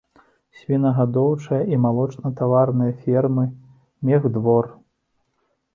Свінагадоўчая і малочнатаварная фермы, мехдвор.